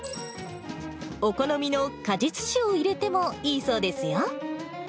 お好みの果実酒を入れてもいいそうですよ。